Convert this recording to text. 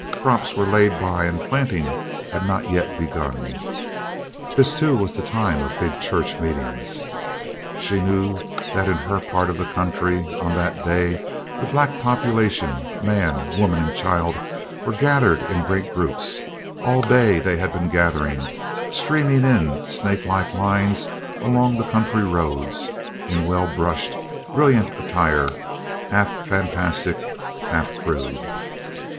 Crops were laid by and planting had not yet begun. This too was the time of big church meetings. She knew that in her part of the country on that day the black population, man, woman, and child, were gathered in great groups; all day they had been gathering, streaming in snake like lines along the country roads, in well brushed, brilliant attire, half fantastic, half crude.